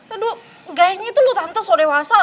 aduh kayaknya itu lo tante soal dewasa